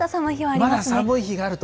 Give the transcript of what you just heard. まだ寒い日があると。